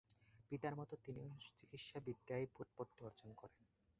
পিতার মত তিনিও চিকিৎসাবিদ্যায় ব্যুৎপত্তি অর্জন করেন।